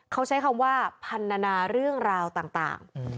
เขาใช้คำว่าพันธนาเรื่องราวต่าง